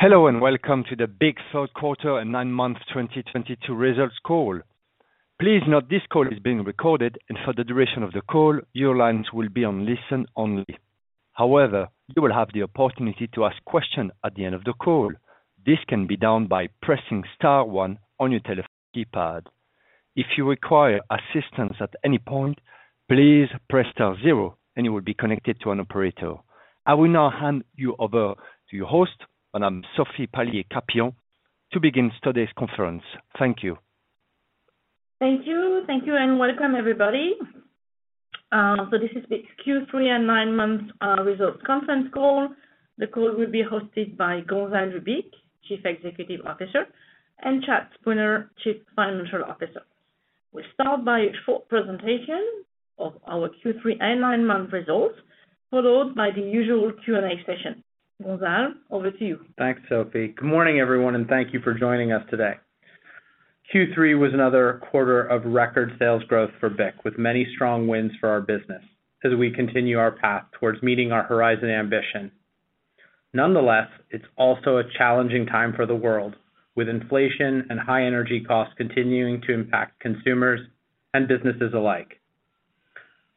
Hello, and welcome to the BIC third quarter and nine-month 2022 results call. Please note this call is being recorded, and for the duration of the call, your lines will be on listen-only. However, you will have the opportunity to ask questions at the end of the call. This can be done by pressing star one on your telephone keypad. If you require assistance at any point, please press star zero and you will be connected to an operator. I will now hand you over to your host, Madame Sophie Palliez-Capian, to begin today's conference. Thank you. Thank you. Thank you and welcome everybody. So this is the Q3 and nine-month results conference call. The call will be hosted by Gonzalve Bich, Chief Executive Officer, and Chad Spooner, Chief Financial Officer. We'll start by a short presentation of our Q3 and nine-month results, followed by the usual Q&A session. Gonzalve, over to you. Thanks, Sophie. Good morning, everyone, and thank you for joining us today. Q3 was another quarter of record sales growth for BIC, with many strong wins for our business as we continue our path towards meeting our Horizon ambition. Nonetheless, it's also a challenging time for the world, with inflation and high energy costs continuing to impact consumers and businesses alike.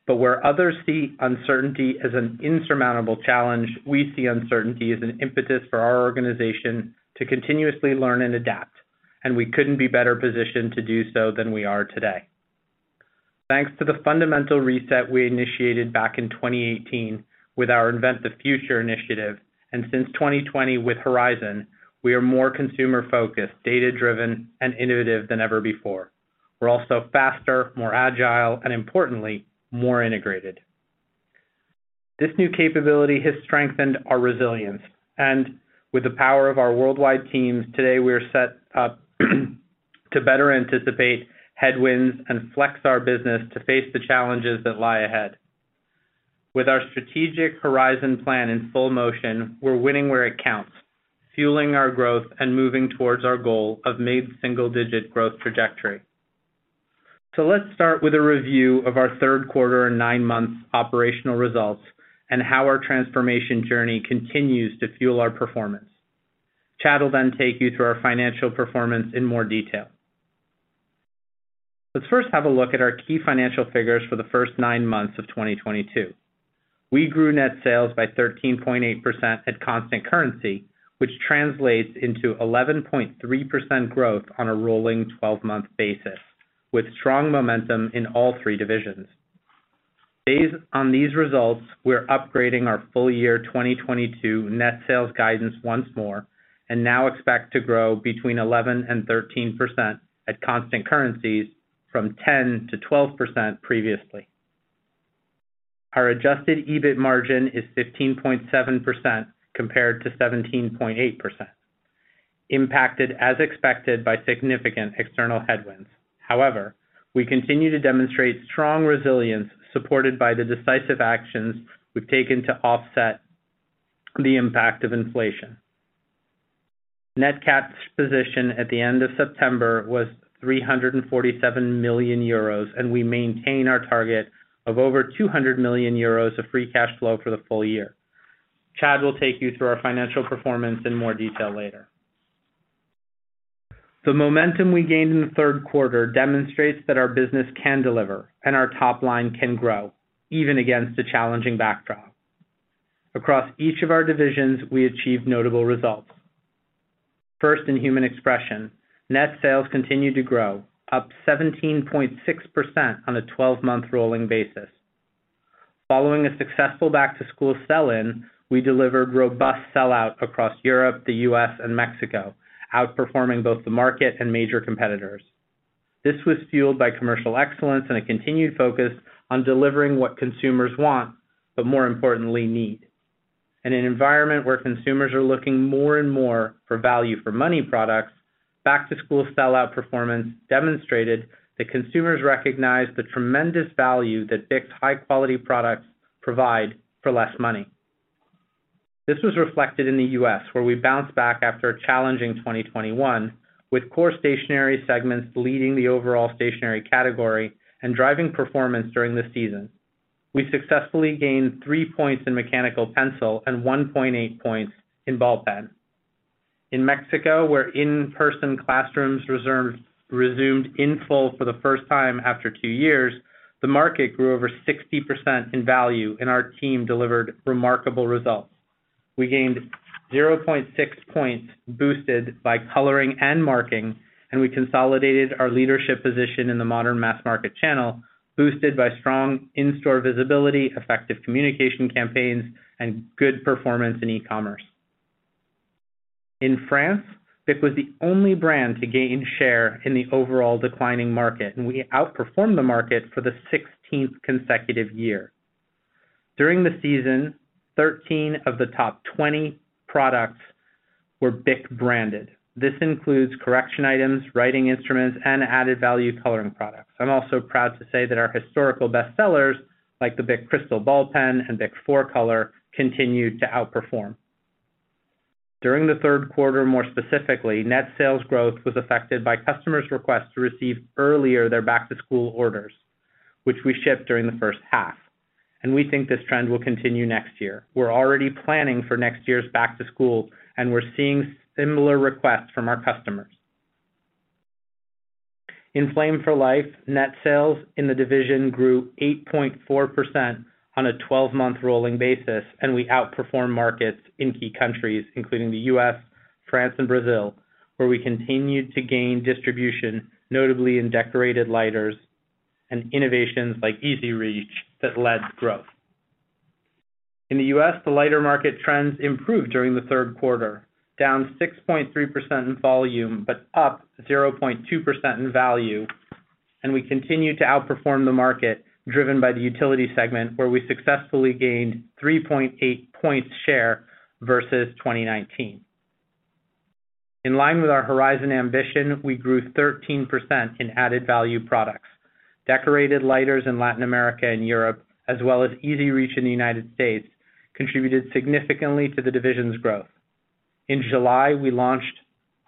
Where others see uncertainty as an insurmountable challenge, we see uncertainty as an impetus for our organization to continuously learn and adapt, and we couldn't be better positioned to do so than we are today. Thanks to the fundamental reset we initiated back in 2018 with our Invent the Future initiative, and since 2020 with Horizon, we are more consumer-focused, data-driven, and innovative than ever before. We're also faster, more agile, and importantly, more integrated. This new capability has strengthened our resilience. With the power of our worldwide teams, today, we are set up to better anticipate headwinds and flex our business to face the challenges that lie ahead. With our strategic Horizon Plan in full motion, we're winning where it counts, fueling our growth and moving towards our goal of mid-single-digit growth trajectory. Let's start with a review of our third quarter and nine months operational results and how our transformation journey continues to fuel our performance. Chad will then take you through our financial performance in more detail. Let's first have a look at our key financial figures for the first nine months of 2022. We grew net sales by 13.8% at constant currency, which translates into 11.3% growth on a rolling 12-month basis, with strong momentum in all three divisions. Based on these results, we're upgrading our full year 2022 net sales guidance once more and now expect to grow between 11% and 13% at constant currencies from 10%-12% previously. Our adjusted EBIT margin is 15.7% compared to 17.8%, impacted as expected by significant external headwinds. However, we continue to demonstrate strong resilience supported by the decisive actions we've taken to offset the impact of inflation. Net cash position at the end of September was 347 million euros, and we maintain our target of over 200 million euros of free cash flow for the full year. Chad will take you through our financial performance in more detail later. The momentum we gained in the third quarter demonstrates that our business can deliver and our top line can grow even against a challenging backdrop. Across each of our divisions, we achieved notable results. First, in Human Expression, net sales continued to grow, up 17.6% on a 12-month rolling basis. Following a successful back-to-school sell-in, we delivered robust sell-out across Europe, the U.S., and Mexico, outperforming both the market and major competitors. This was fueled by commercial excellence and a continued focus on delivering what consumers want, but more importantly, need. In an environment where consumers are looking more and more for value-for-money products, back-to-school sell-out performance demonstrated that consumers recognize the tremendous value that BIC's high-quality products provide for less money. This was reflected in the U.S., where we bounced back after a challenging 2021 with core stationery segments leading the overall stationery category and driving performance during the season. We successfully gained 3 points in mechanical pencil and 1.8 points in ballpen. In Mexico, where in-person classrooms resumed in full for the first time after two years, the market grew over 60% in value, and our team delivered remarkable results. We gained 0.6 points, boosted by coloring and marking, and we consolidated our leadership position in the modern mass market channel, boosted by strong in-store visibility, effective communication campaigns, and good performance in e-commerce. In France, BIC was the only brand to gain share in the overall declining market, and we outperformed the market for the 16th consecutive year. During the season, 13 of the top 20 products were BIC-branded. This includes correction items, writing instruments, and added-value coloring products. I'm also proud to say that our historical best sellers, like the BIC Cristal ballpoint pen and BIC 4-Color, continued to outperform. During the third quarter, more specifically, net sales growth was affected by customers' requests to receive earlier their back-to-school orders, which we shipped during the first half. We think this trend will continue next year. We're already planning for next year's back-to-school, and we're seeing similar requests from our customers. In Flame for Life, net sales in the division grew 8.4% on a 12-month rolling basis, and we outperformed markets in key countries, including the U.S., France, and Brazil, where we continued to gain distribution, notably in decorated lighters and innovations like EZ Reach that led growth. In the U.S., the lighter market trends improved during the third quarter, down 6.3% in volume, but up 0.2% in value. We continued to outperform the market, driven by the utility segment, where we successfully gained 3.8 points share versus 2019. In line with our Horizon ambition, we grew 13% in added-value products. Decorated lighters in Latin America and Europe, as well as EZ Reach in the United States, contributed significantly to the division's growth. In July, we launched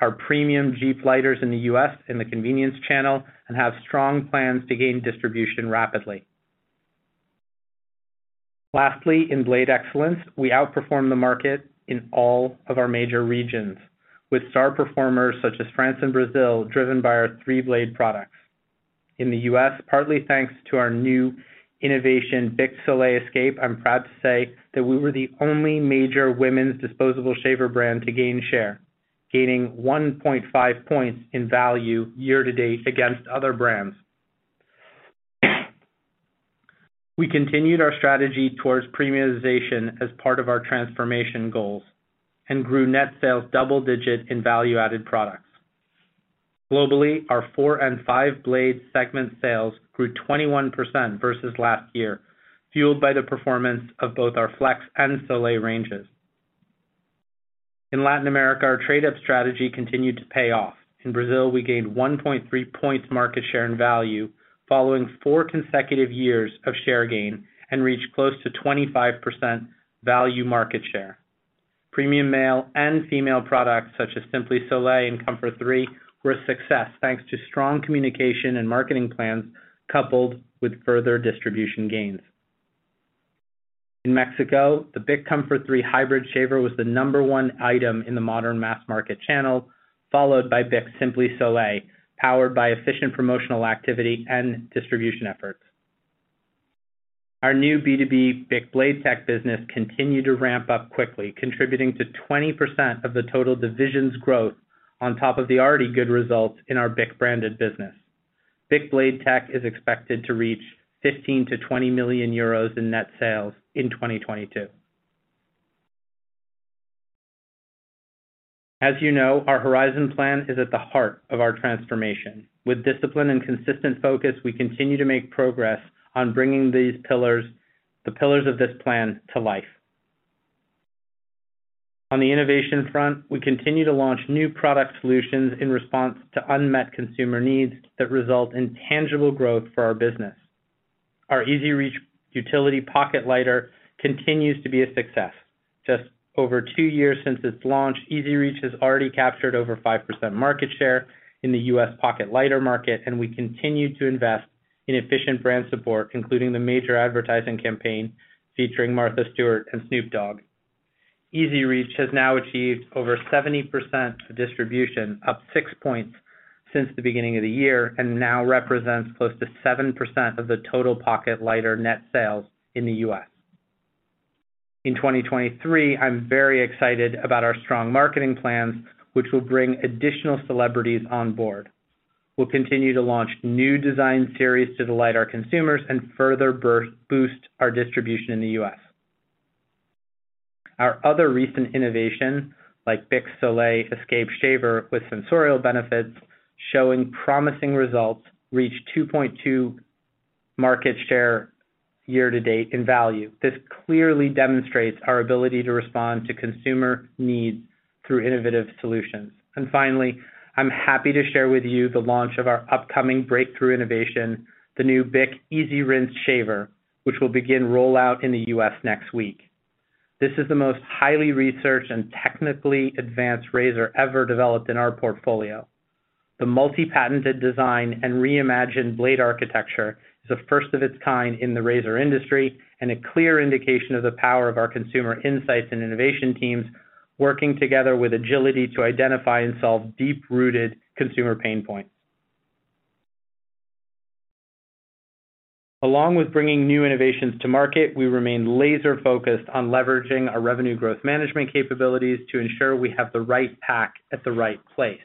our premium Djeep lighters in the U.S. in the convenience channel and have strong plans to gain distribution rapidly. Lastly, in Blade Excellence, we outperformed the market in all of our major regions, with star performers such as France and Brazil, driven by our three-blade products. In the U.S., partly thanks to our new innovation, BIC Soleil Escape, I'm proud to say that we were the only major women's disposable shaver brand to gain share, gaining 1.5 points in value year-to-date against other brands. We continued our strategy towards premiumization as part of our transformation goals and grew net sales double-digit in value-added products. Globally, our four- and five-blade segment sales grew 21% versus last year, fueled by the performance of both our Flex and Soleil ranges. In Latin America, our trade-up strategy continued to pay off. In Brazil, we gained 1.3 points market share and value following four consecutive years of share gain and reached close to 25% value market share. Premium male and female products such as Simply Soleil and Comfort 3 were a success, thanks to strong communication and marketing plans coupled with further distribution gains. In Mexico, the BIC Comfort 3 hybrid shaver was the number one item in the modern mass market channel, followed by BIC Simply Soleil, powered by efficient promotional activity and distribution efforts. Our new B2B BIC Blade Tech business continued to ramp up quickly, contributing to 20% of the total division's growth on top of the already good results in our BIC-branded business. BIC Blade Tech is expected to reach 15 million-20 million euros in net sales in 2022. As you know, our Horizon Plan is at the heart of our transformation. With discipline and consistent focus, we continue to make progress on bringing these pillars, the pillars of this plan to life. On the innovation front, we continue to launch new product solutions in response to unmet consumer needs that result in tangible growth for our business. Our EZ Reach utility pocket lighter continues to be a success. Just over two years since its launch, EZ Reach has already captured over 5% market share in the U.S. pocket lighter market, and we continue to invest in efficient brand support, including the major advertising campaign featuring Martha Stewart and Snoop Dogg. EZ Reach has now achieved over 70% distribution, up 6 points since the beginning of the year, and now represents close to 7% of the total pocket lighter net sales in the U.S. In 2023, I'm very excited about our strong marketing plans, which will bring additional celebrities on board. We'll continue to launch new design series to the lighter consumers and further boost our distribution in the U.S. Our other recent innovation, like BIC Soleil Escape shaver with sensorial benefits, showing promising results, reached 2.2% market share year-to-date in value. This clearly demonstrates our ability to respond to consumer needs through innovative solutions. Finally, I'm happy to share with you the launch of our upcoming breakthrough innovation, the new BIC EasyRinse shaver, which will begin rollout in the U.S. next week. This is the most highly researched and technically advanced razor ever developed in our portfolio. The multi-patented design and reimagined blade architecture is the first of its kind in the razor industry and a clear indication of the power of our consumer insights and innovation teams working together with agility to identify and solve deep-rooted consumer pain points. Along with bringing new innovations to market, we remain laser-focused on leveraging our revenue growth management capabilities to ensure we have the right pack at the right place.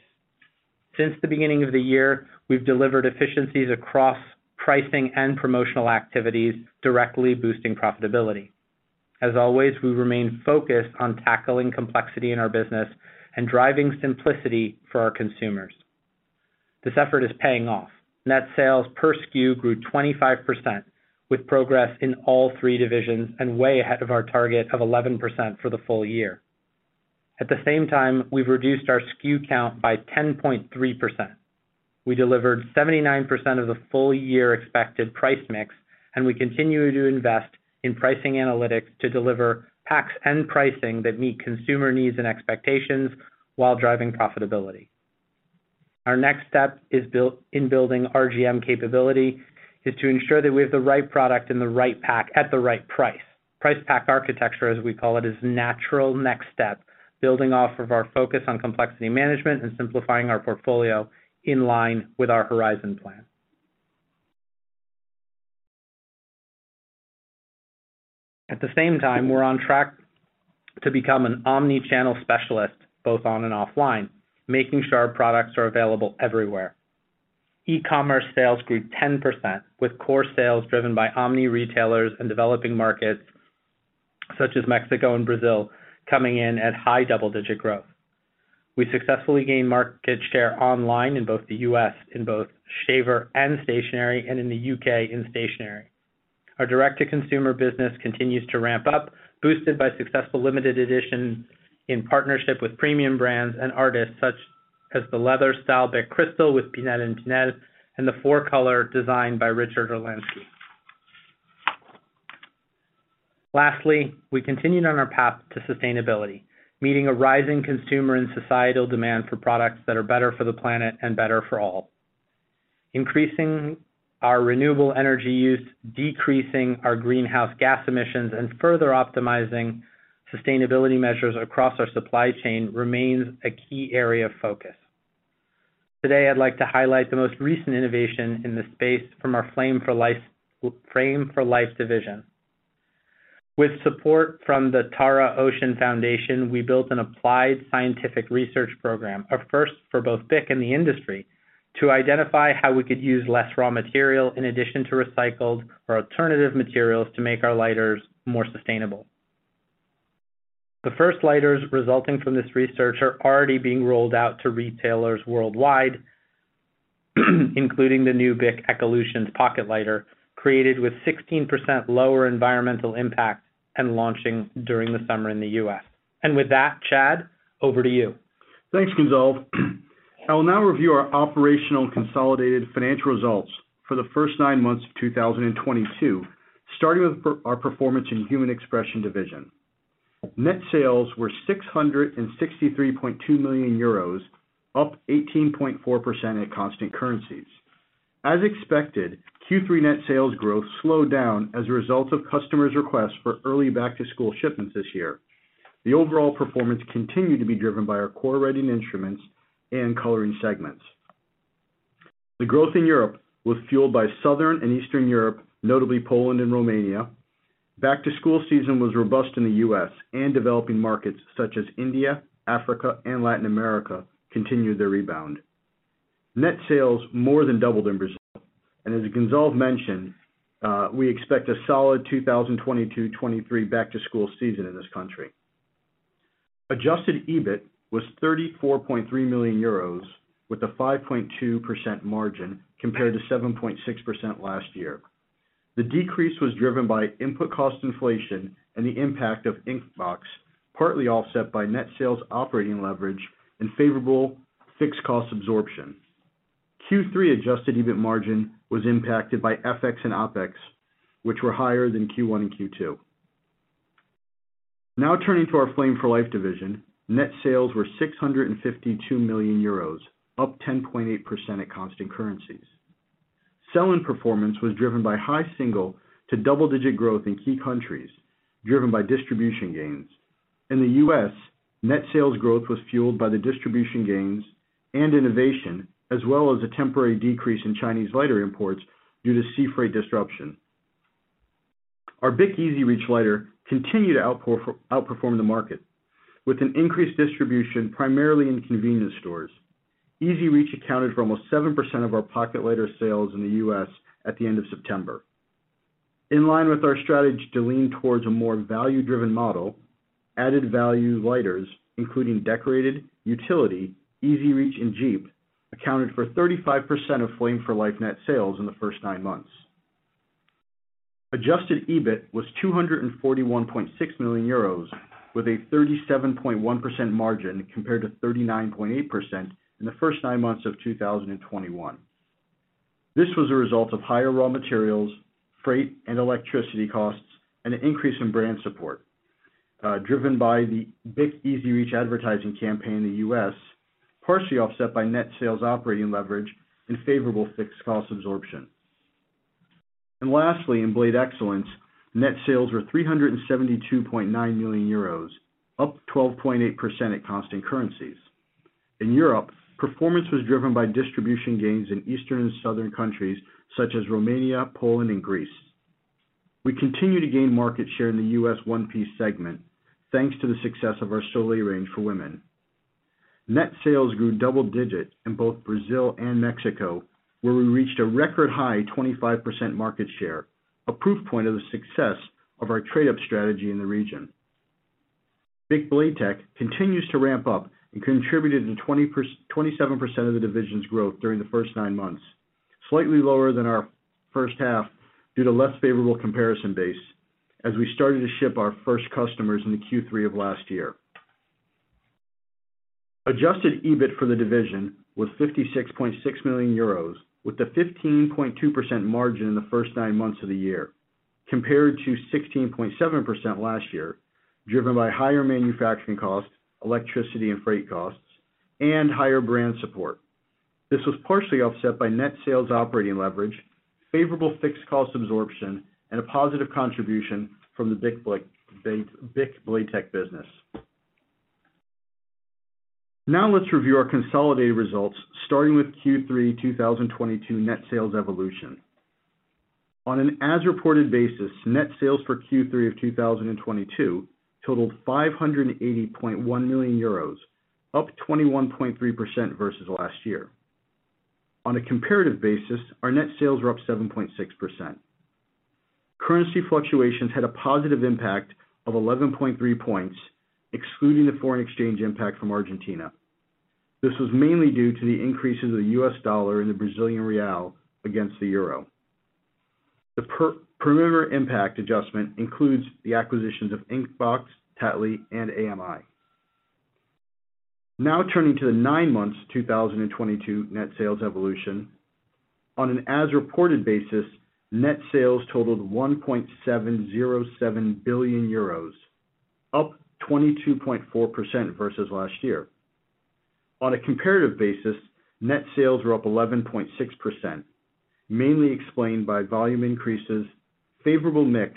Since the beginning of the year, we've delivered efficiencies across pricing and promotional activities, directly boosting profitability. As always, we remain focused on tackling complexity in our business and driving simplicity for our consumers. This effort is paying off. Net sales per SKU grew 25%, with progress in all three divisions and way ahead of our target of 11% for the full year. At the same time, we've reduced our SKU count by 10.3%. We delivered 79% of the full year expected price mix, and we continue to invest in pricing analytics to deliver packs and pricing that meet consumer needs and expectations while driving profitability. Our next step in building RGM capability is to ensure that we have the right product in the right pack at the right price. Price pack architecture, as we call it, is natural next step, building off of our focus on complexity management and simplifying our portfolio in line with our Horizon Plan. At the same time, we're on track to become an omni-channel specialist, both on and offline, making sure our products are available everywhere. E-commerce sales grew 10%, with core sales driven by omni-retailers in developing markets such as Mexico and Brazil coming in at high double-digit growth. We successfully gained market share online in both the U.S. in both Shaver and Stationery and in the U.K. in stationery. Our direct-to-consumer business continues to ramp up, boosted by successful limited edition in partnership with premium brands and artists such as the leather Style BIC Cristal with Pinel et Pinel and the BIC 4-Color designed by Richard Orlinski. Lastly, we continued on our path to sustainability, meeting a rising consumer and societal demand for products that are better for the planet and better for all. Increasing our renewable energy use, decreasing our greenhouse gas emissions, and further optimizing sustainability measures across our supply chain remains a key area of focus. Today, I'd like to highlight the most recent innovation in this space from our Flame for Life division. With support from the Tara Ocean Foundation, we built an applied scientific research program, a first for both BIC and the industry, to identify how we could use less raw material in addition to recycled or alternative materials to make our lighters more sustainable. The first lighters resulting from this research are already being rolled out to retailers worldwide, including the new BIC Ecolutions Pocket Lighter, created with 16% lower environmental impact and launching during the summer in the U.S. With that, Chad, over to you. Thanks, Gonzalve. I will now review our operational consolidated financial results for the first nine months of 2022, starting with our performance in Human Expression division. Net sales were 663.2 million euros, up 18.4% at constant currencies. As expected, Q3 net sales growth slowed down as a result of customers' requests for early back-to-school shipments this year. The overall performance continued to be driven by our core writing instruments and coloring segments. The growth in Europe was fueled by Southern and Eastern Europe, notably Poland and Romania. Back-to-school season was robust in the U.S., and developing markets such as India, Africa, and Latin America continued their rebound. Net sales more than doubled in Brazil. As Gonzalve mentioned, we expect a solid 2022-23 back-to-school season in this country. Adjusted EBIT was 34.3 million euros with a 5.2% margin compared to 7.6% last year. The decrease was driven by input cost inflation and the impact of Inkbox, partly offset by net sales operating leverage and favorable fixed cost absorption. Q3 adjusted EBIT margin was impacted by FX and OpEx, which were higher than Q1 and Q2. Now turning to our Flame for Life division, net sales were 652 million euros, up 10.8% at constant currencies. Sell-in performance was driven by high single-digit to double-digit growth in key countries, driven by distribution gains. In the U.S., net sales growth was fueled by the distribution gains and innovation, as well as a temporary decrease in Chinese lighter imports due to sea freight disruption. Our BIC EZ Reach lighter continued to outperform the market with an increased distribution, primarily in convenience stores. EZ Reach accounted for almost 7% of our pocket lighter sales in the U.S. at the end of September. In line with our strategy to lean towards a more value-driven model, added value lighters, including decorated, utility, EZ Reach, and Djeep, accounted for 35% of Flame for Life net sales in the first nine months. Adjusted EBIT was 241.6 million euros with a 37.1% margin compared to 39.8% in the first nine months of 2021. This was a result of higher raw materials, freight, and electricity costs, and an increase in brand support, driven by the BIC EZ Reach advertising campaign in the U.S., partially offset by net sales operating leverage and favorable fixed cost absorption. Lastly, in Blade Excellence, net sales were 372.9 million euros, up 12.8% at constant currencies. In Europe, performance was driven by distribution gains in Eastern and Southern countries such as Romania, Poland, and Greece. We continue to gain market share in the U.S. one-piece segment, thanks to the success of our Soleil range for women. Net sales grew double-digit in both Brazil and Mexico, where we reached a record high 25% market share, a proof point of the success of our trade-up strategy in the region. BIC Blade Tech continues to ramp up and contributed to 27% of the division's growth during the first nine months, slightly lower than our first half due to less favorable comparison base as we started to ship our first customers in the Q3 of last year. Adjusted EBIT for the division was 56.6 million euros with a 15.2% margin in the first nine months of the year. Compared to 16.7% last year, driven by higher manufacturing costs, electricity and freight costs, and higher brand support. This was partially offset by net sales operating leverage, favorable fixed cost absorption, and a positive contribution from the BIC Blade Tech business. Now let's review our consolidated results, starting with Q3 2022 net sales evolution. On an as-reported basis, net sales for Q3 of 2022 totaled 580.1 million euros, up 21.3% versus last year. On a comparative basis, our net sales were up 7.6%. Currency fluctuations had a positive impact of 11.3 points, excluding the foreign exchange impact from Argentina. This was mainly due to the increases of the U.S. dollar and the Brazilian real against the euro. The perimeter impact adjustment includes the acquisitions of Inkbox, Tattly, and AMI. Now turning to the nine months 2022 net sales evolution. On an as-reported basis, net sales totaled 1.707 billion euros, up 22.4% versus last year. On a comparative basis, net sales were up 11.6%, mainly explained by volume increases, favorable mix,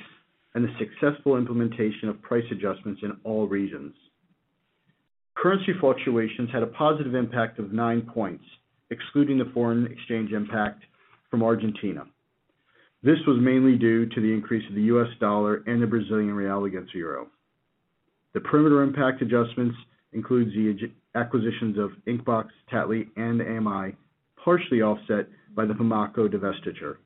and the successful implementation of price adjustments in all regions. Currency fluctuations had a positive impact of 9 points, excluding the foreign exchange impact from Argentina. This was mainly due to the increase of the U.S. dollar and the Brazilian real against the euro. The perimeter impact adjustments includes the acquisitions of Inkbox, Tattly, and AMI, partially offset by the PIMACO divestiture.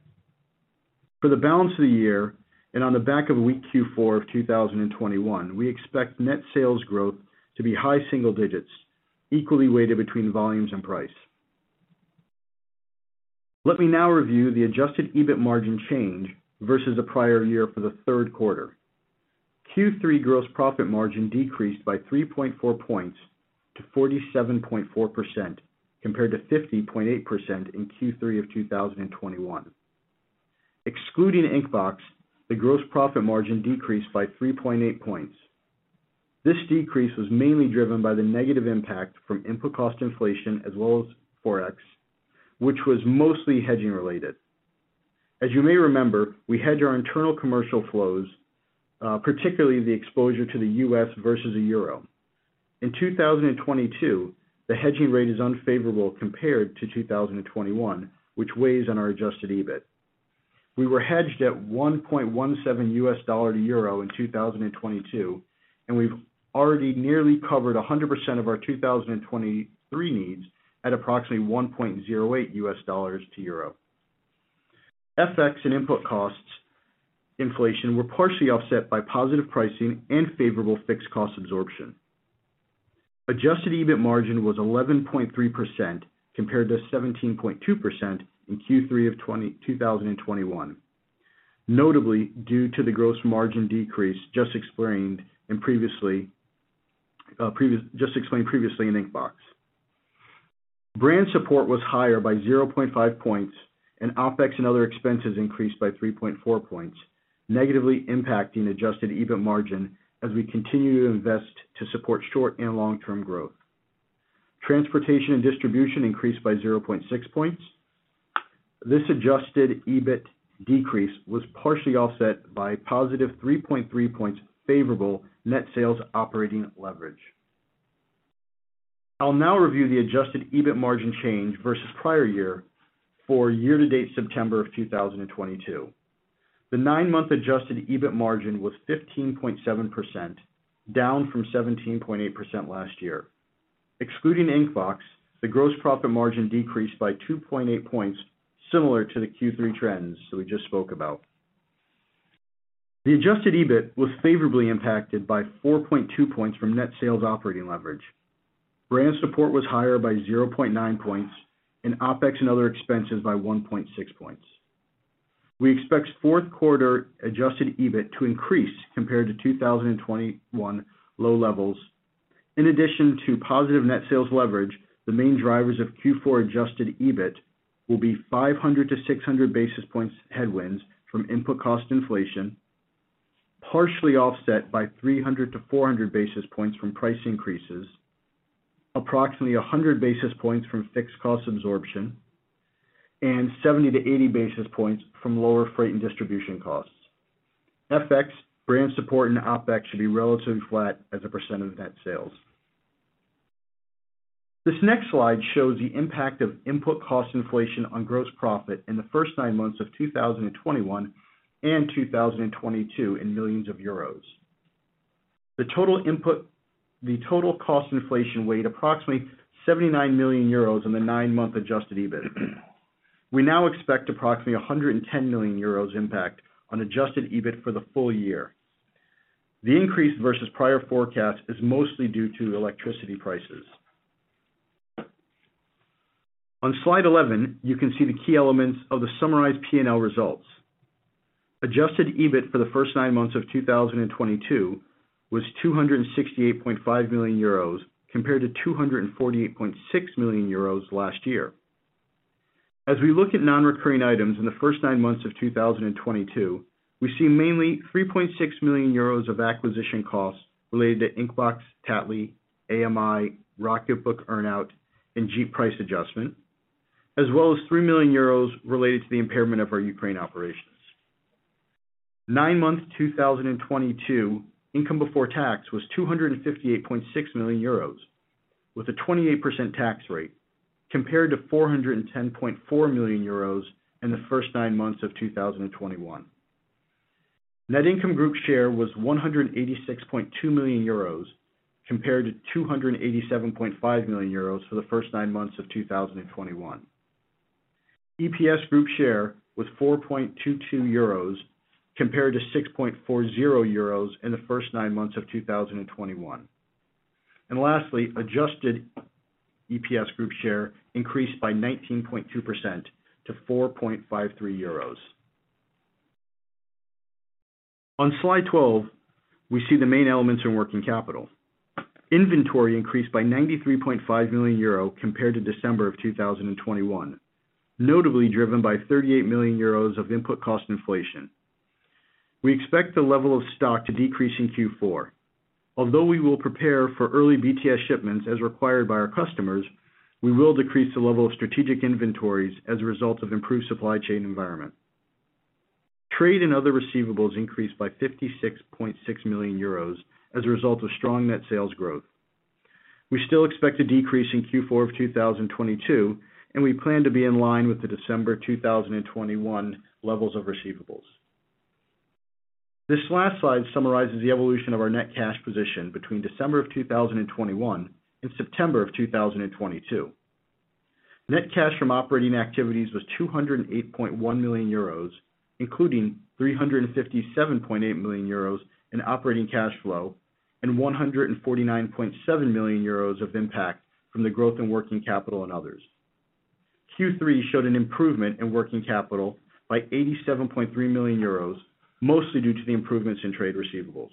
For the balance of the year, and on the back of a weak Q4 of 2021, we expect net sales growth to be high single digits, equally weighted between volumes and price. Let me now review the Adjusted EBIT margin change versus the prior year for the third quarter. Q3 gross profit margin decreased by 3.4 points to 47.4%, compared to 50.8% in Q3 of 2021. Excluding Inkbox, the gross profit margin decreased by 3.8 points. This decrease was mainly driven by the negative impact from input cost inflation as well as forex, which was mostly hedging-related. As you may remember, we hedge our internal commercial flows, particularly the exposure to the U.S. versus the euro. In 2022, the hedging rate is unfavorable compared to 2021, which weighs on our adjusted EBIT. We were hedged at $1.17 to euro in 2022, and we've already nearly covered 100% of our 2023 needs at approximately $1.08 to euro. FX and input costs inflation were partially offset by positive pricing and favorable fixed cost absorption. Adjusted EBIT margin was 11.3%, compared to 17.2% in Q3 of 2021. Notably, due to the gross margin decrease just explained previously in Inkbox, brand support was higher by 0.5 points, and OpEx and other expenses increased by 3.4 points, negatively impacting adjusted EBIT margin as we continue to invest to support short- and long-term growth. Transportation and distribution increased by 0.6 points. This adjusted EBIT decrease was partially offset by positive 3.3 points favorable net sales operating leverage. I'll now review the adjusted EBIT margin change versus prior year for year-to-date September 2022. The nine-month adjusted EBIT margin was 15.7%, down from 17.8% last year. Excluding Inkbox, the gross profit margin decreased by 2.8 points, similar to the Q3 trends that we just spoke about. The adjusted EBIT was favorably impacted by 4.2 points from net sales operating leverage. Brand support was higher by 0.9 points, and OpEx and other expenses by 1.6 points. We expect fourth quarter adjusted EBIT to increase compared to 2021 low levels. In addition to positive net sales leverage, the main drivers of Q4 adjusted EBIT will be 500 basis points-600 basis points headwinds from input cost inflation, partially offset by 300 basis points-400 basis points from price increases, approximately 100 basis points from fixed cost absorption, and 70 basis points-80 basis points from lower freight and distribution costs. FX, brand support, and OpEx should be relatively flat as a percent of net sales. This next slide shows the impact of input cost inflation on gross profit in the first nine months of 2021 and 2022 in millions of euros. The total cost inflation weighed approximately 79 million euros on the nine-month adjusted EBIT. We now expect approximately 110 million euros-impact on adjusted EBIT for the full year. The increase versus prior forecast is mostly due to electricity prices. On slide 11, you can see the key elements of the summarized P&L results. Adjusted EBIT for the first nine months of 2022 was 268.5 million euros compared to 248.6 million euros last year. As we look at non-recurring items in the first nine months of 2022, we see mainly 3.6 million euros of acquisition costs related to Tattly, AMI, Rocketbook earn-out and Djeep price adjustment, as well as 3 million euros related to the impairment of our Ukraine operations. Nine months 2022 income before tax was 258.6 million euros with a 28% tax rate, compared to 410.4 million euros in the first nine months of 2021. Net income group share was 186.2 million euros compared to 287.5 million euros for the first nine months of 2021. EPS group share was 4.22 euros compared to 6.40 euros in the first nine months of 2021. Lastly, adjusted EPS group share increased by 19.2% to EUR 4.53. On slide 12, we see the main elements in working capital. Inventory increased by 93.5 million euro compared to December 2021, notably driven by 38 million euros of input cost inflation. We expect the level of stock to decrease in Q4. Although we will prepare for early BTS shipments as required by our customers, we will decrease the level of strategic inventories as a result of improved supply chain environment. Trade and other receivables increased by 56.6 million euros as a result of strong net sales growth. We still expect a decrease in Q4 2022, and we plan to be in line with the December 2021 levels of receivables. This last slide summarizes the evolution of our net cash position between December 2021 and September 2022. Net cash from operating activities was 208.1 million euros, including 357.8 million euros in operating cash flow, and 149.7 million euros of impact from the growth in working capital and others. Q3 showed an improvement in working capital by 87.3 million euros, mostly due to the improvements in trade receivables.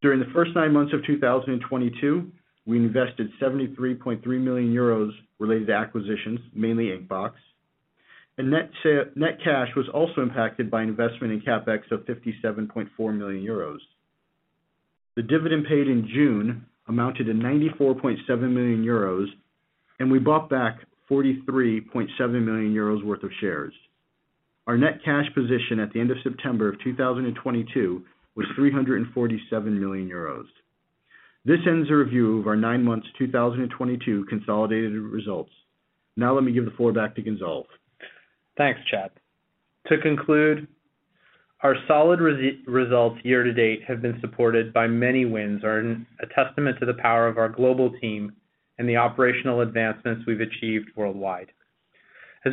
During the first nine months of 2022, we invested 73.3 million euros related to acquisitions, mainly Inkbox. Net cash was also impacted by investment in CapEx of 57.4 million euros. The dividend paid in June amounted to 94.7 million euros, and we bought back 43.7 million euros worth of shares. Our net cash position at the end of September of 2022 was 347 million euros. This ends the review of our nine months 2022 consolidated results. Now let me give the floor back to Gonzalve. Thanks, Chad. To conclude, our solid resilient results year-to-date have been supported by many wins, are a testament to the power of our global team and the operational advancements we've achieved worldwide.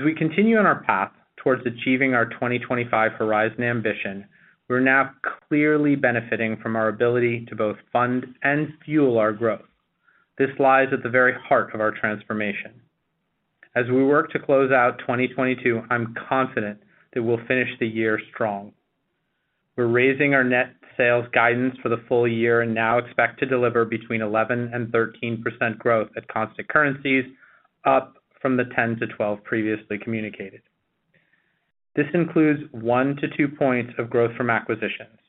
We continue on our path towards achieving our 2025 Horizon ambition, we're now clearly benefiting from our ability to both fund and fuel our growth. This lies at the very heart of our transformation. We work to close out 2022, I'm confident that we'll finish the year strong. We're raising our net sales guidance for the full year and now expect to deliver between 11% and 13% growth at constant currencies, up from the 10%-12% previously communicated. This includes 1-2 points of growth from acquisitions.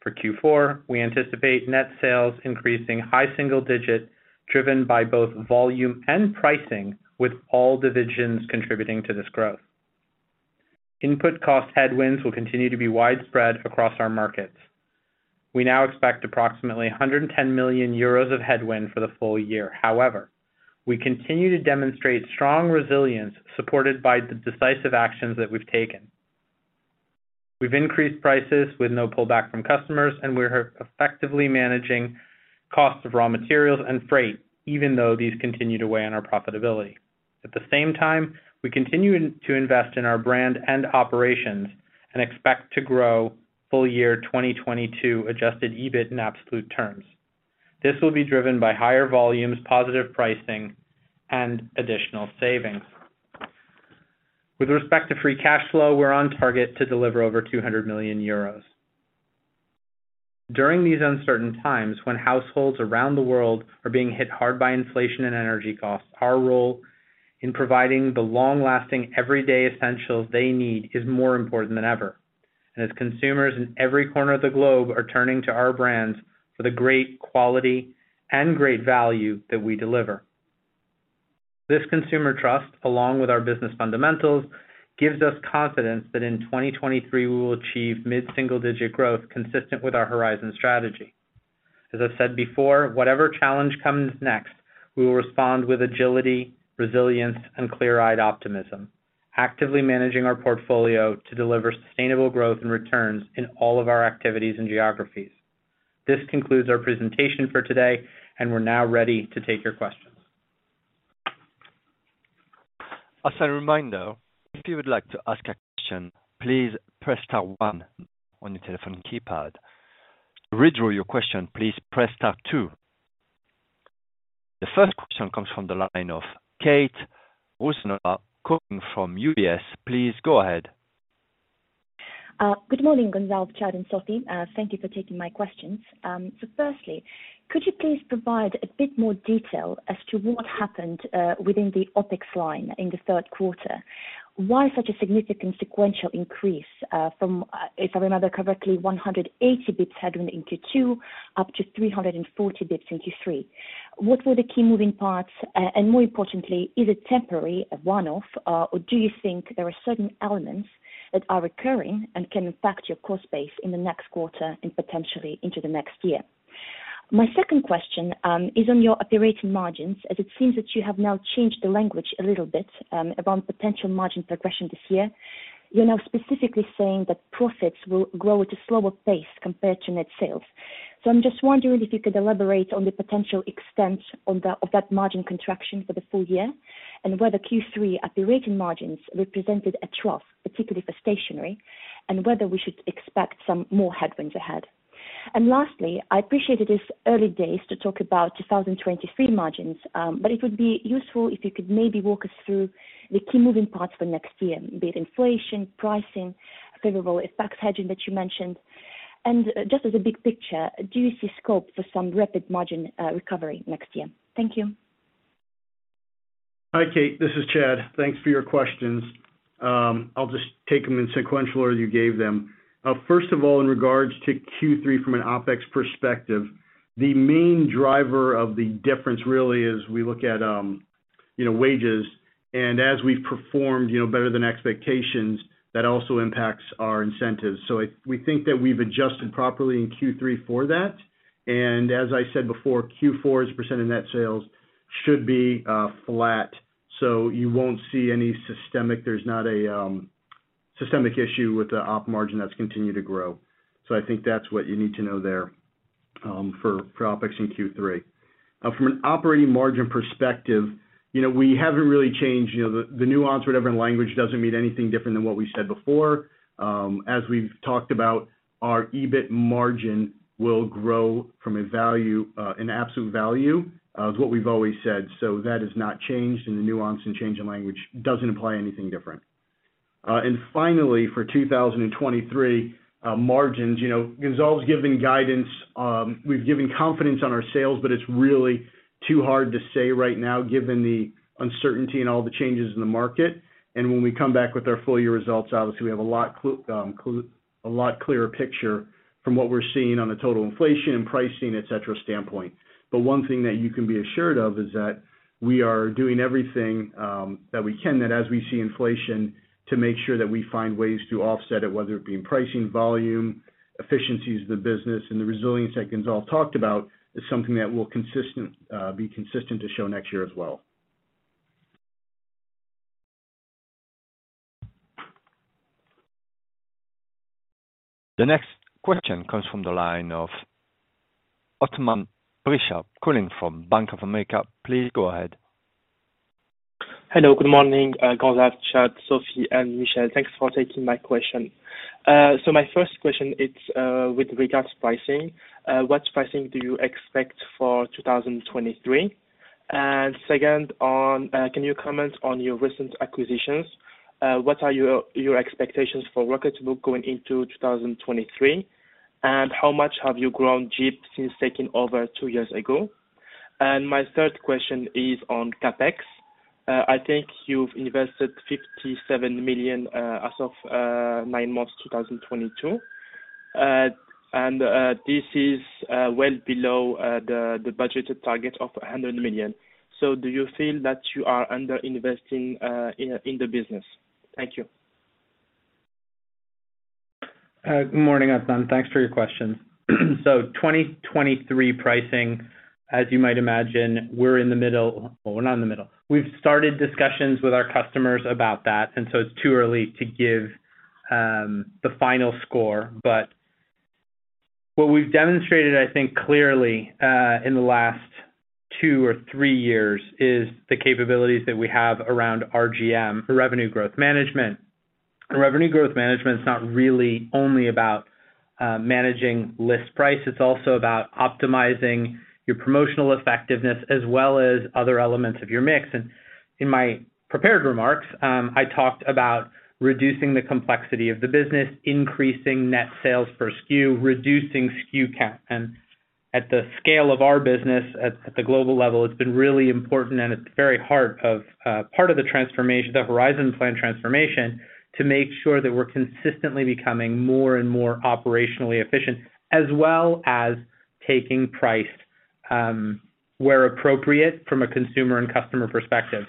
For Q4, we anticipate net sales increasing high single-digit, driven by both volume and pricing, with all divisions contributing to this growth. Input cost headwinds will continue to be widespread across our markets. We now expect approximately 110 million euros of headwind for the full year. However, we continue to demonstrate strong resilience supported by the decisive actions that we've taken. We've increased prices with no pullback from customers, and we're effectively managing costs of raw materials and freight, even though these continue to weigh on our profitability. At the same time, we continue to invest in our brand and operations and expect to grow full year 2022 adjusted EBIT in absolute terms. This will be driven by higher volumes, positive pricing, and additional savings. With respect to free cash flow, we're on target to deliver over 200 million euros. During these uncertain times, when households around the world are being hit hard by inflation and energy costs, our role in providing the long-lasting, everyday essentials they need is more important than ever. As consumers in every corner of the globe are turning to our brands for the great quality and great value that we deliver. This consumer trust, along with our business fundamentals, gives us confidence that in 2023 we will achieve mid-single-digit growth consistent with our Horizon strategy. As I've said before, whatever challenge comes next, we will respond with agility, resilience, and clear-eyed optimism, actively managing our portfolio to deliver sustainable growth and returns in all of our activities and geographies. This concludes our presentation for today, and we're now ready to take your questions. As a reminder, if you would like to ask a question, please press star one on your telephone keypad. To withdraw your question, please press star two. The first question comes from the line of Kate Rusanova coming from UBS. Please go ahead. Good morning, Gonzalve, Chad, and Sophie. Thank you for taking my questions. Firstly, could you please provide a bit more detail as to what happened within the OpEx line in the third quarter? Why such a significant sequential increase from, if I remember correctly, 180 basis points in Q2 up to 340 basis points in Q3? What were the key moving parts? And more importantly, is it temporary, a one-off, or do you think there are certain elements that are recurring and can impact your cost base in the next quarter and potentially into the next year? My second question is on your operating margins, as it seems that you have now changed the language a little bit about potential margin progression this year. You're now specifically saying that profits will grow at a slower pace compared to net sales. I'm just wondering if you could elaborate on the potential extent on that, of that margin contraction for the full year, and whether Q3 operating margins represented a trough, particularly for stationery, and whether we should expect some more headwinds ahead. I appreciate it's early days to talk about 2023 margins, but it would be useful if you could maybe walk us through the key moving parts for next year, be it inflation, pricing, favorable effects hedging that you mentioned. Just as a big picture, do you see scope for some rapid margin recovery next year? Thank you. Hi, Kate. This is Chad. Thanks for your questions. I'll just take them in sequential order you gave them. First of all, in regards to Q3 from an OpEx perspective, the main driver of the difference really is we look at, you know, wages. As we've performed, you know, better than expectations, that also impacts our incentives. We think that we've adjusted properly in Q3 for that. As I said before, Q4 as a percent of net sales should be flat. You won't see any systemic issue with the Op margin that's continued to grow. I think that's what you need to know there, for OpEx in Q3. From an operating margin perspective, you know, we haven't really changed. You know, the nuance or different language doesn't mean anything different than what we said before. As we've talked about, our EBIT margin will grow from a value, an absolute value, is what we've always said. So that has not changed, and the nuance and change in language doesn't imply anything different. Finally, for 2023, margins, you know, Gonzalve's given guidance, we've given confidence on our sales. But it's really too hard to say right now given the uncertainty and all the changes in the market. When we come back with our full-year results, obviously, we have a lot clearer picture from what we're seeing on the total inflation and pricing, et cetera, standpoint. One thing that you can be assured of is that we are doing everything that we can, that as we see inflation, to make sure that we find ways to offset it, whether it be in pricing, volume, efficiencies of the business. The resilience that Gonzalve talked about is something that will be consistent to show next year as well. The next question comes from the line of Othmane Bricha calling from Bank of America. Please go ahead. Hello, good morning, Gonzalve, Chad, Sophie, and Michèle. Thanks for taking my question. So my first question, it's with regards to pricing. What pricing do you expect for 2023? Second, can you comment on your recent acquisitions? What are your expectations for Rocketbook going into 2023? How much have you grown Djeep since taking over two years ago? My third question is on CapEx. I think you've invested 57 million as of nine months 2022. This is well below the budgeted target of 100 million. Do you feel that you are under-investing in the business? Thank you. Good morning, Othmane. Thanks for your questions. 2023 pricing, as you might imagine, we're not in the middle. We've started discussions with our customers about that, it's too early to give the final score. What we've demonstrated, I think, clearly, in the last two or three years is the capabilities that we have around RGM, Revenue Growth Management. Revenue Growth Management is not really only about managing list price, it's also about optimizing your promotional effectiveness, as well as other elements of your mix. In my prepared remarks, I talked about reducing the complexity of the business, increasing net sales per SKU, reducing SKU count. At the scale of our business at the global level, it's been really important, and it's very hard part of the transformation, the Horizon Plan transformation, to make sure that we're consistently becoming more and more operationally efficient, as well as taking price where appropriate from a consumer and customer perspective.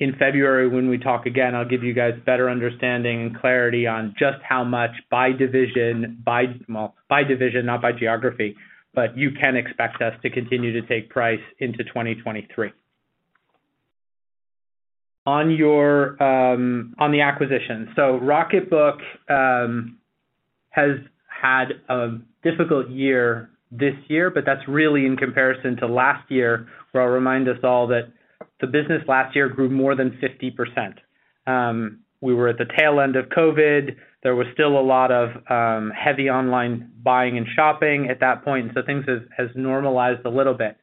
In February, when we talk again, I'll give you guys better understanding and clarity on just how much by division. Well, by division, not by geography. You can expect us to continue to take price into 2023. On the acquisition. Rocketbook has had a difficult year this year, but that's really in comparison to last year, where I'll remind us all that the business last year grew more than 50%. We were at the tail end of COVID. There was still a lot of heavy online buying and shopping at that point. Things has normalized a little bit.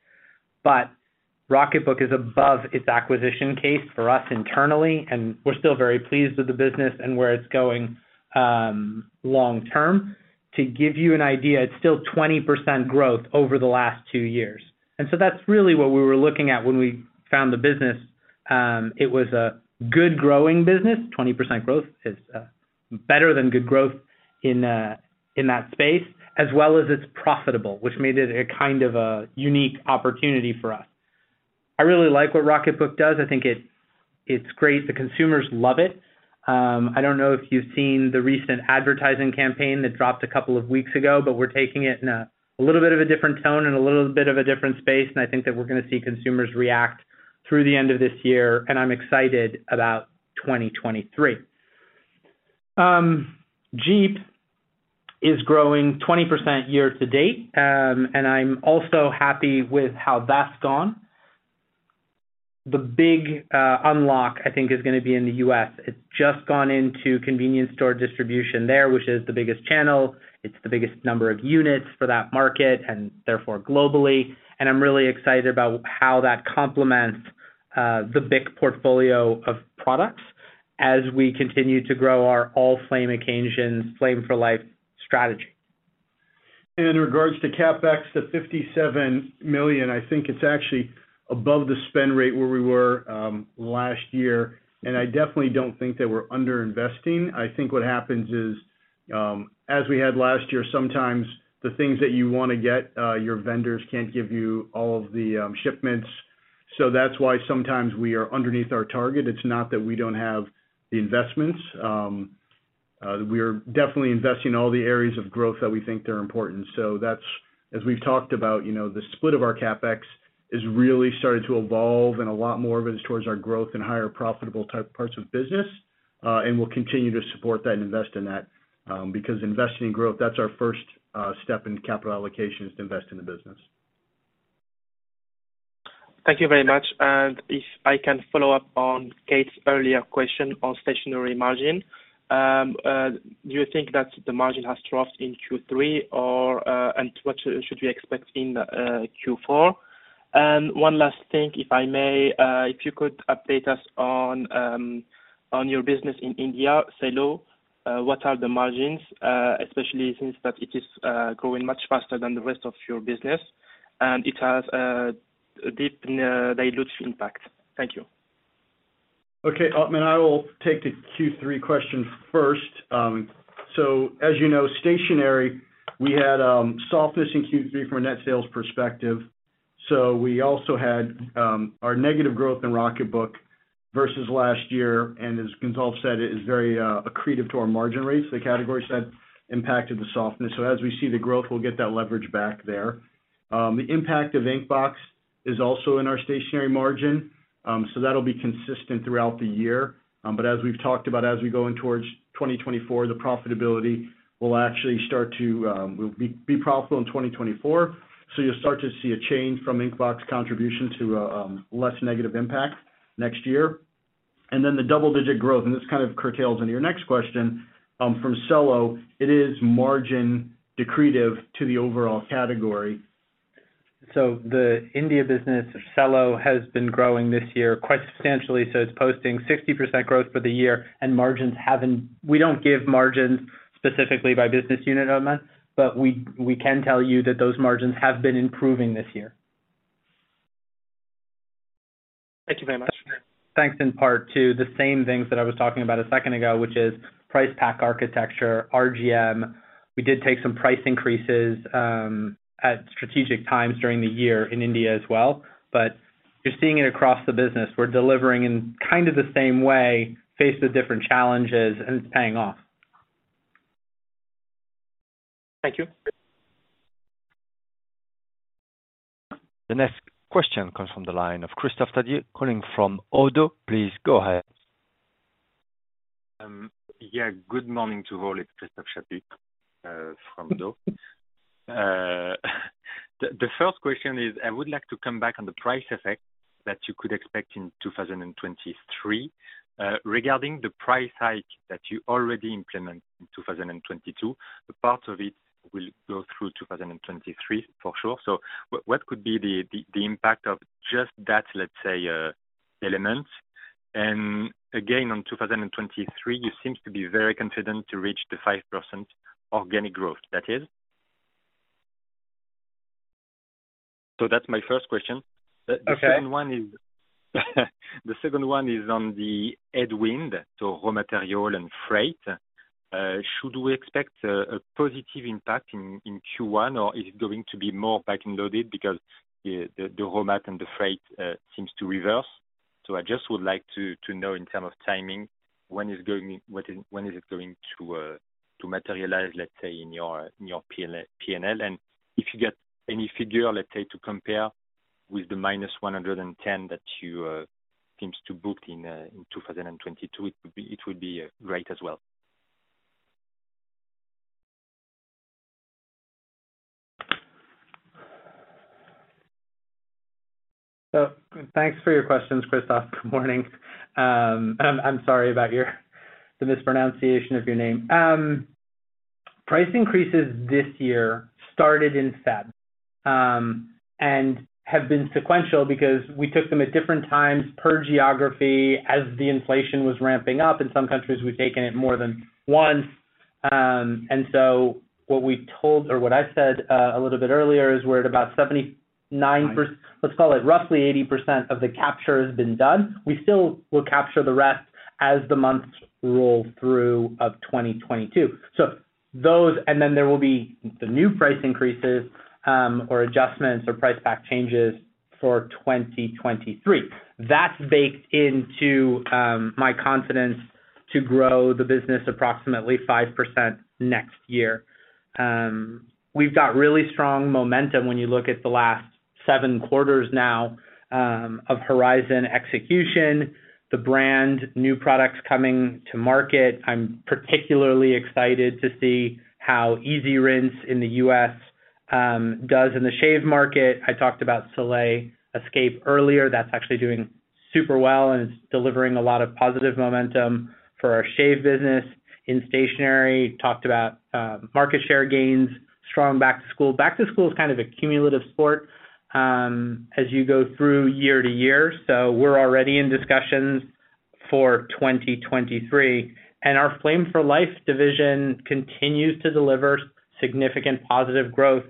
Rocketbook is above its acquisition case for us internally, and we're still very pleased with the business and where it's going, long term. To give you an idea, it's still 20% growth over the last two years. That's really what we were looking at when we found the business. It was a good growing business. 20% growth is better than good growth in that space, as well as it's profitable, which made it a kind of a unique opportunity for us. I really like what Rocketbook does. I think it's great. The consumers love it. I don't know if you've seen the recent advertising campaign that dropped a couple of weeks ago, but we're taking it in a little bit of a different tone and a little bit of a different space, and I think that we're gonna see consumers react through the end of this year, and I'm excited about 2023. Djeep is growing 20% year-to-date. I'm also happy with how that's gone. The big unlock, I think, is gonna be in the U.S. It's just gone into convenience store distribution there, which is the biggest channel. It's the biggest number of units for that market and therefore globally. I'm really excited about how that complements the big portfolio of products as we continue to grow our all-flame occasions, Flame for Life strategy. In regards to CapEx, the 57 million, I think it's actually above the spend rate where we were last year, and I definitely don't think that we're under investing. I think what happens is, as we had last year, sometimes the things that you wanna get, your vendors can't give you all of the shipments. So that's why sometimes we are underneath our target. It's not that we don't have the investments. We are definitely investing in all the areas of growth that we think are important. As we've talked about, you know, the split of our CapEx is really starting to evolve, and a lot more of it is towards our growth and higher profitable type parts of business, and we'll continue to support that and invest in that, because investing in growth, that's our first step into capital allocation, is to invest in the business. Thank you very much. If I can follow up on Kate's earlier question on Stationery margin, do you think that the margin has dropped in Q3 or, and what should we expect in Q4? One last thing, if I may, if you could update us on your business in India, Cello, what are the margins, especially since that it is growing much faster than the rest of your business, and it has deeply dilutive impact. Thank you. Okay. I will take the Q3 question first. As you know, stationery, we had softness in Q3 from a net sales perspective. We also had our negative growth in Rocketbook versus last year, and as Gonzalve said, it is very accretive to our margin rates. The categories that impacted the softness. As we see the growth, we'll get that leverage back there. The impact of Inkbox is also in our Stationery margin, so that'll be consistent throughout the year. As we've talked about, as we go in towards 2024, the profitability will actually start to we'll be profitable in 2024. You'll start to see a change from Inkbox contribution to less negative impact next year. The double-digit growth, and this kind of carries into your next question, from Cello, it is margin decretive to the overall category. The India business, Cello, has been growing this year quite substantially, so it's posting 60% growth for the year, and margins haven't. We don't give margins specifically by business unit, Othmane Bricha, but we can tell you that those margins have been improving this year. Thank you very much. Thanks in part to the same things that I was talking about a second ago, which is price pack architecture, RGM. We did take some price increases at strategic times during the year in India as well. You're seeing it across the business. We're delivering in kind of the same way, faced with different challenges, and it's paying off. Thank you. The next question comes from the line of Christophe Chaput calling from Oddo. Please go ahead. Good morning to all. It's Christophe Chaput from Oddo. The first question is, I would like to come back on the price effect that you could expect in 2023. Regarding the price hike that you already implement in 2022, a part of it will go through 2023, for sure. What could be the impact of just that, let's say, element? Again, on 2023, you seems to be very confident to reach the 5% organic growth that is. That's my first question. Okay. The second one is on the headwind, so raw material and freight. Should we expect a positive impact in Q1, or is it going to be more back-ended because the raw mat and the freight seems to reverse. I just would like to know in terms of timing, when is it going to materialize, let's say, in your P&L? And if you get any figure, let's say, to compare with the -110 million that you seems to book in 2022, it would be great as well. Thanks for your questions, Christophe. Good morning. I'm sorry about the mispronunciation of your name. Price increases this year started in February and have been sequential because we took them at different times per geography as the inflation was ramping up. In some countries, we've taken it more than once. What we told or what I said a little bit earlier is we're at about 79%, let's call it roughly 80% of the capture has been done. We still will capture the rest as the months roll through 2022. Those, and then there will be the new price increases or adjustments or price pack changes for 2023. That's baked into my confidence to grow the business approximately 5% next year. We've got really strong momentum when you look at the last seven quarters now of Horizon execution, the brand new products coming to market. I'm particularly excited to see how EasyRinse in the U.S. does in the shave market. I talked about Soleil Escape earlier. That's actually doing super well and it's delivering a lot of positive momentum for our shave business. In Stationery, talked about market share gains, strong back to school. Back-to-school is kind of a cumulative sport as you go through year to year. We're already in discussions for 2023. Our Flame for Life division continues to deliver significant positive growth.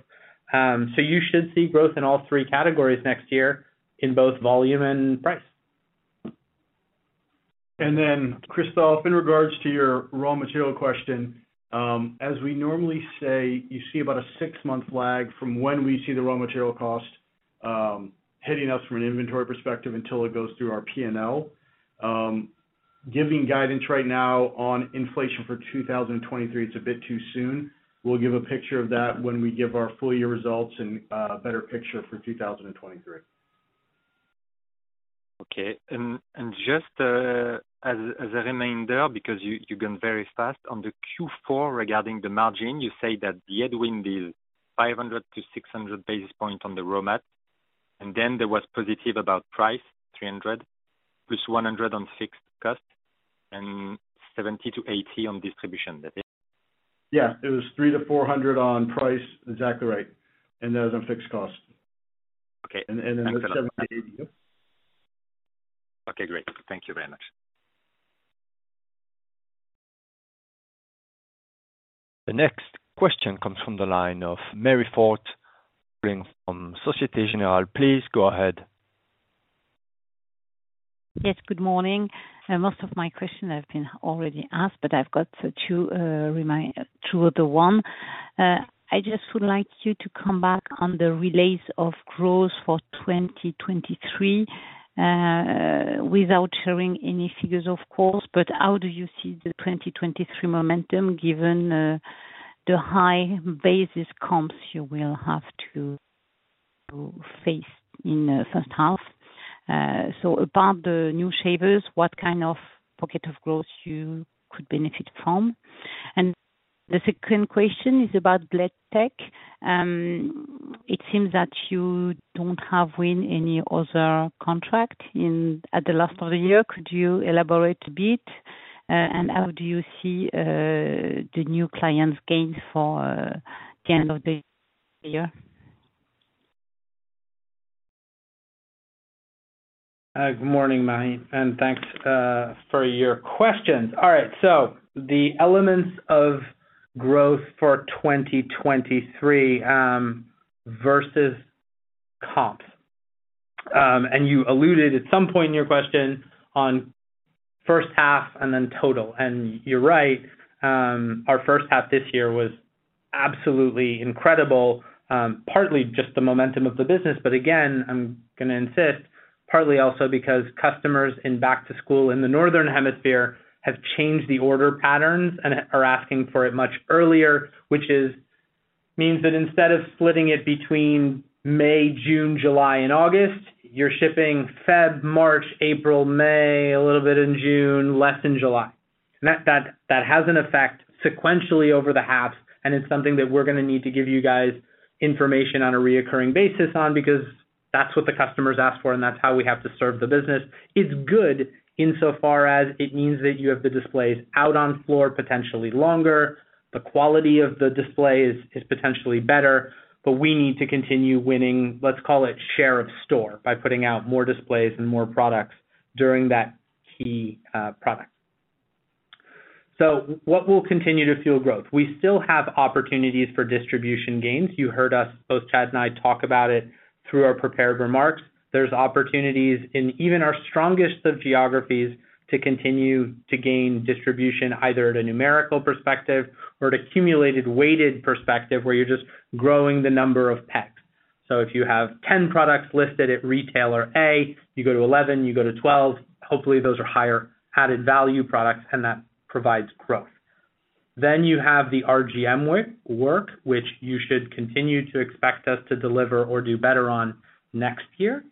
You should see growth in all three categories next year in both volume and price. Christophe, in regards to your raw material question, as we normally say, you see about a six-month lag from when we see the raw material cost hitting us from an inventory perspective until it goes through our P&L. Giving guidance right now on inflation for 2023, it's a bit too soon. We'll give a picture of that when we give our full-year results and a better picture for 2023. Okay. Just as a reminder, because you went very fast. On the Q4, regarding the margin, you say that the headwind is 500 basis points-600 basis points on the raw mat. There was positive about price, 300 basis points, +100 on fixed cost and 70 basis points-80 basis points on distribution, I think. Yeah. It was 300 basis points-400 basis points on price. Exactly right. The other fixed cost. Okay. Seventy to 80, yeah. Okay, great. Thank you very much. The next question comes from the line of Marie-Line Fort, calling from Société Générale. Please go ahead. Yes, good morning. Most of my questions have been already asked, but I've got two other one. I just would like you to come back on the realms of growth for 2023, without sharing any figures, of course. How do you see the 2023 momentum given the high base comps you will have to face in the first half? Apart from the new shavers, what kind of pocket of growth you could benefit from? The second question is about Blade Tech. It seems that you haven't won any other contract at the end of the year. Could you elaborate a bit? How do you see the new client wins for the end of the year? Good morning, Marie, and thanks for your questions. All right. The elements of growth for 2023 versus comps. You alluded at some point in your question on first half and then total. You're right, our first half this year was absolutely incredible, partly just the momentum of the business. Again, I'm gonna insist partly also because customers in back to school in the northern hemisphere have changed the order patterns and are asking for it much earlier, which means that instead of splitting it between May, June, July and August, you're shipping February, March, April, May, a little bit in June, less in July. That has an effect sequentially over the halves, and it's something that we're gonna need to give you guys information on a recurring basis, because that's what the customers ask for, and that's how we have to serve the business. It's good insofar as it means that you have the displays out on the floor potentially longer. The quality of the display is potentially better, but we need to continue winning, let's call it share of store, by putting out more displays and more products during that key product. What will continue to fuel growth? We still have opportunities for distribution gains. You heard us, both Chad and I, talk about it through our prepared remarks. There's opportunities in even our strongest of geographies to continue to gain distribution, either at a numerical perspective or at a cumulative weighted perspective, where you're just growing the number of packs. If you have 10 products listed at retailer A, you go to 11, you go to 12. Hopefully, those are higher added value products, and that provides growth. You have the RGM work which you should continue to expect us to deliver or do better on next year,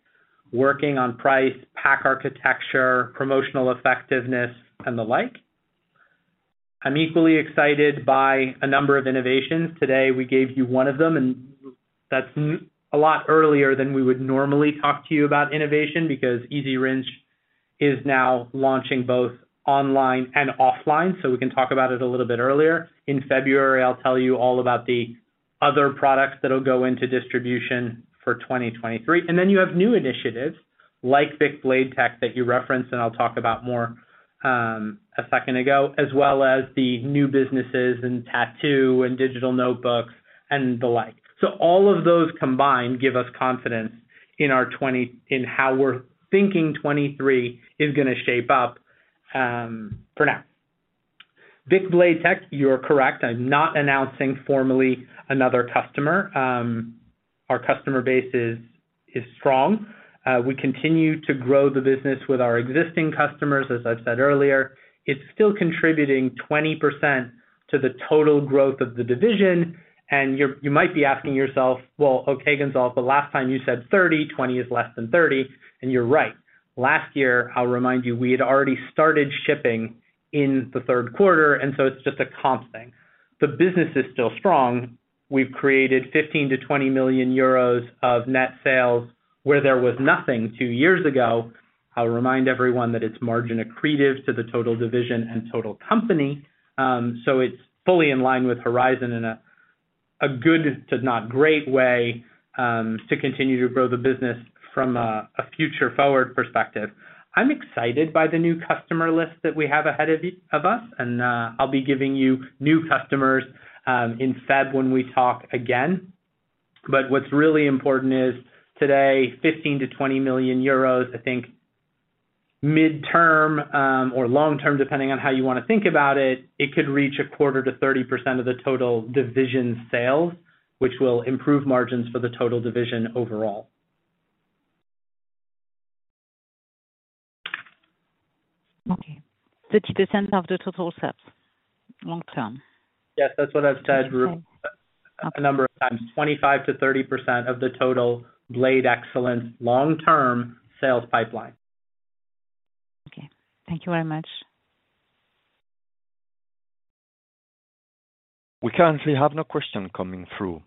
working on price pack architecture, promotional effectiveness and the like. I'm equally excited by a number of innovations. Today, we gave you one of them, and that's a lot earlier than we would normally talk to you about innovation, because EasyRinse is now launching both online and offline, so we can talk about it a little bit earlier. In February, I'll tell you all about the other products that'll go into distribution for 2023. You have new initiatives like BIC Blade Tech that you referenced, and I'll talk about more, a second ago, as well as the new businesses in tattoo and digital notebooks and the like. All of those combined give us confidence in our in how we're thinking 2023 is gonna shape up, for now. BIC Blade Tech, you're correct. I'm not announcing formally another customer. Our customer base is strong. We continue to grow the business with our existing customers. As I've said earlier, it's still contributing 20% to the total growth of the division. You might be asking yourself, "Well, okay, Gonzalve, the last time you said 30%, 20% is less than 30%." You're right. Last year, I'll remind you, we had already started shipping in the third quarter, and it's just a comp thing. The business is still strong. We've created 15 million-20 million euros of net sales where there was nothing two years ago. I'll remind everyone that it's margin accretive to the total division and total company. It's fully in line with Horizon in a good to not great way to continue to grow the business from a future forward perspective. I'm excited by the new customer list that we have ahead of us, and I'll be giving you new customers in February when we talk again. What's really important is today, 15 million-20 million euros, I think mid-term, or long-term, depending on how you wanna think about it could reach 25%-30% of the total division sales, which will improve margins for the total division overall. Okay. Thirty percent of the total sales long term? Yes. That's what I've said— Okay. A number of times, 25%-30% of the total Blade Excellence long-term sales pipeline. Okay. Thank you very much. We currently have no question coming through.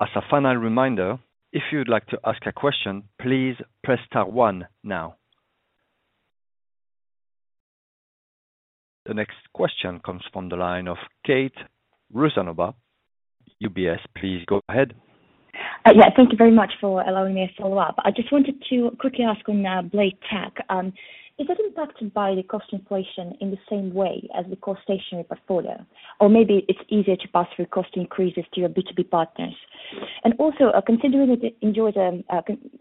As a final reminder, if you'd like to ask a question, please press star one now. The next question comes from the line of Kate Rusanova, UBS. Please go ahead. Yeah. Thank you very much for allowing me a follow-up. I just wanted to quickly ask on Blade Tech. Is it impacted by the cost inflation in the same way as the core stationery portfolio? Or maybe it's easier to pass through cost increases to your B2B partners. Also, considering that it enjoys a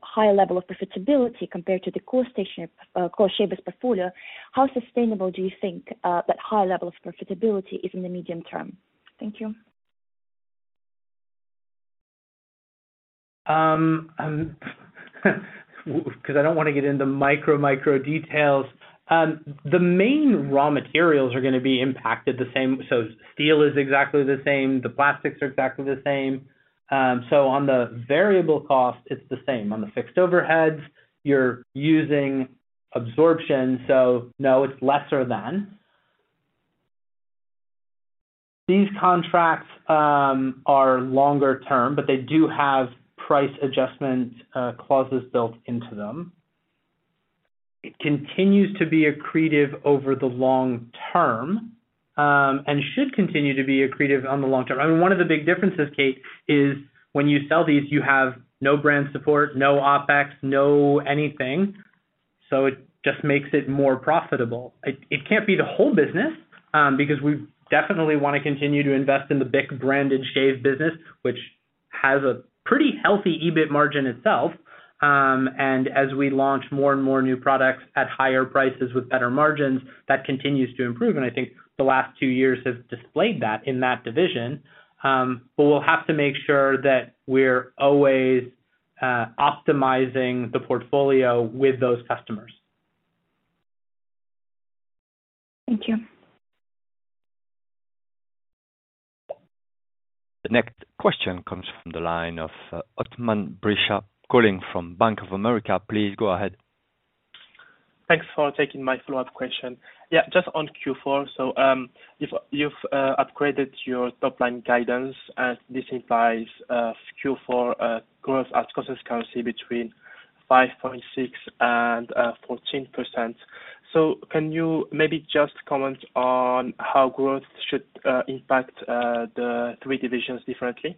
higher level of profitability compared to the core stationery—core shavers portfolio, how sustainable do you think that high level of profitability is in the medium term? Thank you. 'Cause I don't wanna get into micro details. The main raw materials are gonna be impacted the same, so steel is exactly the same, the plastics are exactly the same. On the variable cost, it's the same. On the fixed overheads, you're using absorption—no, it's lesser than. These contracts are longer term, but they do have price adjustment clauses built into them. It continues to be accretive over the long term, and should continue to be accretive on the long term. I mean, one of the big differences, Kate, is when you sell these, you have no brand support, no OpEx, no anything, so it just makes it more profitable. It can't be the whole business because we definitely wanna continue to invest in the BIC brand and shave business, which has a pretty healthy EBIT margin itself. As we launch more and more new products at higher prices with better margins, that continues to improve, and I think the last two years have displayed that in that division. We'll have to make sure that we're always optimizing the portfolio with those customers. Thank you. The next question comes from the line of Othmane Bricha, calling from Bank of America. Please go ahead. Thanks for taking my follow-up question. Yeah, just on Q4. You've upgraded your top-line guidance, and this implies Q4 growth at constant currency between 5.6% and 14%. Can you maybe just comment on how growth should impact the three divisions differently?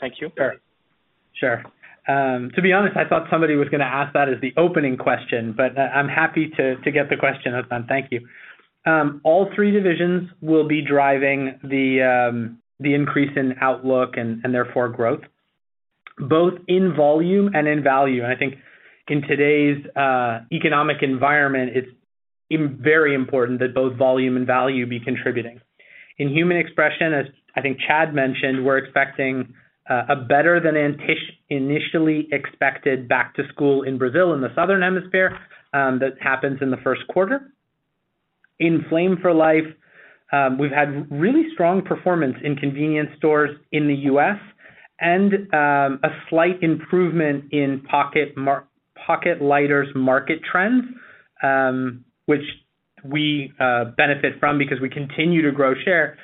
Thank you. Sure. To be honest, I thought somebody was gonna ask that as the opening question, but I'm happy to get the question, Othmane. Thank you. All three divisions will be driving the increase in outlook and therefore growth, both in volume and in value. I think in today's economic environment, it's very important that both volume and value be contributing. In Human Expression, as I think Chad mentioned, we're expecting a better than initially expected back to school in Brazil and the Southern Hemisphere, that happens in the first quarter. In Flame for Life, we've had really strong performance in convenience stores in the U.S. and a slight improvement in pocket lighters market trends, which we benefit from because we continue to grow share.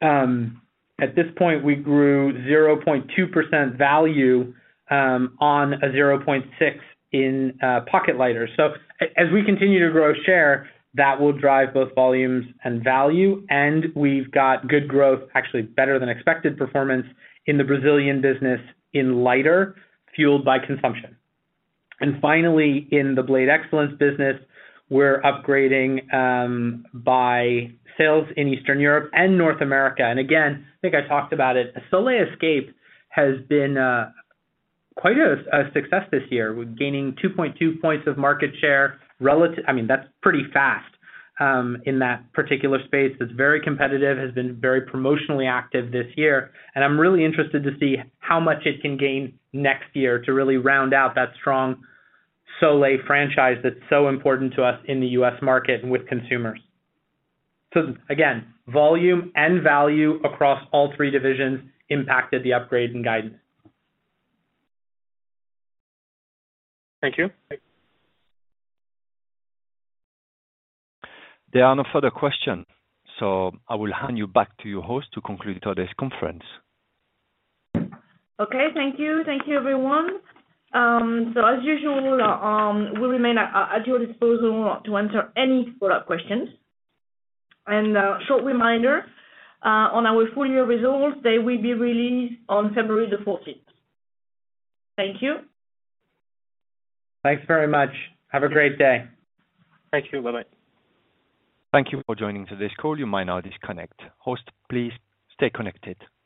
At this point, we grew 0.2% value on a 0.6% in pocket lighters. As we continue to grow share, that will drive both volumes and value, and we've got good growth, actually better than expected performance in the Brazilian business in lighters, fueled by consumption. Finally, in the Blade Excellence business, we're growing in sales in Eastern Europe and North America. Again, I think I talked about it, Soleil Escape has been quite a success this year. We're gaining 2.2 points of market share relative—I mean, that's pretty fast in that particular space. It's very competitive, has been very promotionally active this year, and I'm really interested to see how much it can gain next year to really round out that strong Soleil franchise that's so important to us in the U.S. market and with consumers. Again, volume and value across all three divisions impacted the upgrade in guidance. Thank you. There are no further questions, so I will hand you back to your host to conclude today's conference. Thank you. Thank you, everyone. So as usual, we remain at your disposal to answer any follow-up questions. A short reminder on our full-year results. They will be released on February the 14th. Thank you. Thanks very much. Have a great day. Thank you. Bye-bye. Thank you for joining today's call. You may now disconnect. Host, please stay connected. Thank you.